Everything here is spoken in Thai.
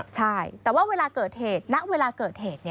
ใช่แต่ว่าเวลาเกิดเหตุณเวลาเกิดเหตุ